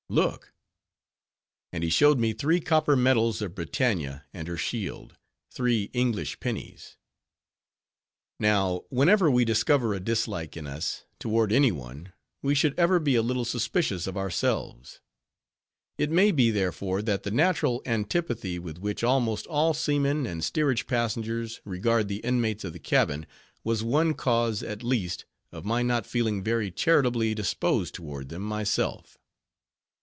"Look!"—and he showed me three copper medals of Britannia and her shield—three English pennies. Now, whenever we discover a dislike in us, toward any one, we should ever be a little suspicious of ourselves. It may be, therefore, that the natural antipathy with which almost all seamen and steerage passengers, regard the inmates of the cabin, was one cause at least, of my not feeling very charitably disposed toward them, myself.